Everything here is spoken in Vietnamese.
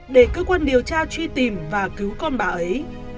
để cơ quan điều tra truy tìm và cứu con bà ấy